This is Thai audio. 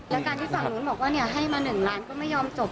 แล้วการที่ฝั่งนู้นบอกว่าให้มา๑ล้านก็ไม่ยอมจบ